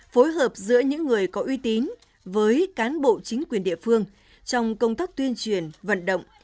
phối hợp giữa những người có uy tín với cán bộ chính quyền địa phương trong công tác tuyên truyền vận động